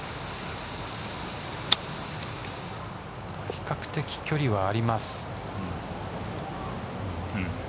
比較的距離はあります。